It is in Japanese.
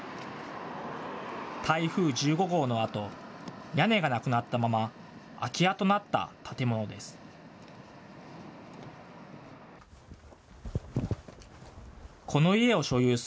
台風１５号のあと、屋根がなくなったまま空き家となった建物です。